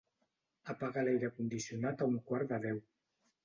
Apaga l'aire condicionat a un quart de deu.